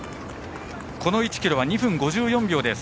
この１ｋｍは２分５４秒です。